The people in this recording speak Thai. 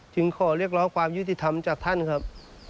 ขอเรียกร้องความยุติธรรมจากท่านครับ